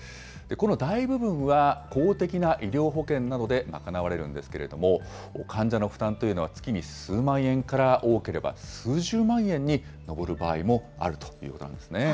この大部分は、公的な医療保険などで賄われるんですけれども、患者の負担というのは次に数万円から、多ければ数十万円に上る場合もあるということなんですね。